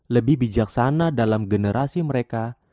lebih bijaksana dalam generasi mereka